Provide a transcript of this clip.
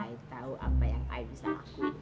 i tau apa yang i bisa lakuin